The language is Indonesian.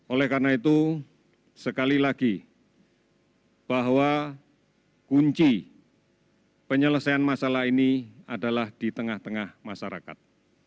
oleh karena itu sekali lagi bahwa kunci penyelesaian masalah ini adalah di tengah tengah masyarakat